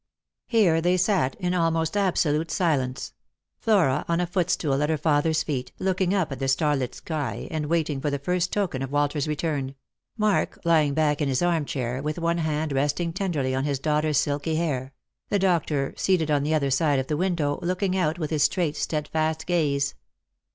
Here they sat in almost absolute silence ; Flora on a footstool at her father's feet, looking up at the starlit sky, and waiting for the first token of Walter's return ; Mark lying back in his arm chair, with one hand resting tenderly on his daughter's silky hair; the doctor seated on the other side of the window, looking out with his straight steadfast gaze.